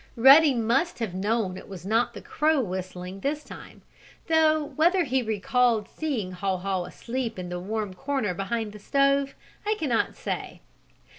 Ruddy must have known it was not the crow whistling this time, though whether he recalled seeing Haw Haw asleep in the warm corner behind the stove I cannot say.